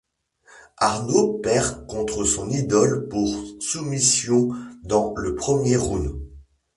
Arnaud perd contre son idole par soumission dans le premier round.